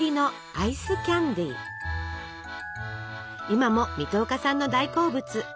今も水戸岡さんの大好物！